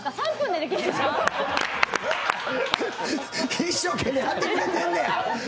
一生懸命やってくれてんねや。